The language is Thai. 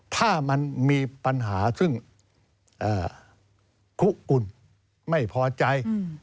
ถ้ามันมีปัญหาซึ่งคุกุลไม่พอใจ